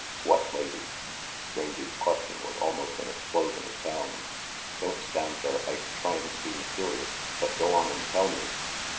, "What lady?" Rangy 's question was almost an explosion of sound. "Don't stand there, Ike, trying to be mysterious, but go on and tell me."